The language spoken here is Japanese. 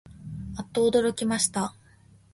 あっとおどろきました